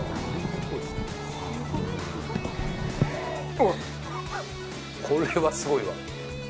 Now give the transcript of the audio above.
あっ、これはすごいわ。